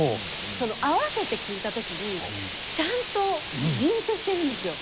その合わせて聴いた時にちゃんとリンクしてるんですよ